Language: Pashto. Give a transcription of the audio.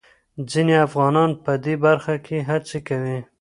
ځينې افغانان په دې برخه کې هڅې کوي.